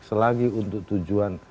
selagi untuk tujuan